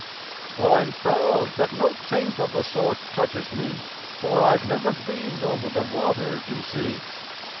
Well, I'm proud that no taint of the sort touches me. (For I've never been over the water, you see.)